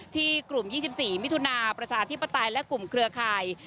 ที่กลุ่ม๒๔มิถุนาประชาธิปไตยและกลุ่มเครือข่าย